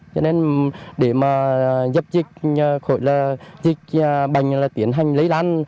cho nên để mà dập dịch khỏi dịch bành tiến hành lấy lan